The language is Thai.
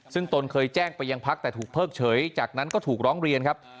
ซึ่งตนเคยแจ้งไปยังพักแต่ถูกเพิกเฉยจากนั้นก็ถูกร้องเรียนครับ